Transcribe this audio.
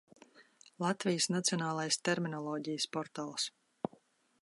Latvijas Nacionālais terminoloģijas portāls